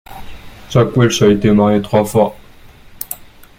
Jack Welch a été marié trois fois.